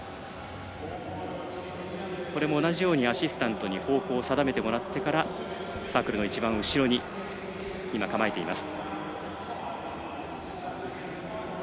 これも同じようにアシスタントに方向を定めてもらってからサークルの一番後ろに構えます。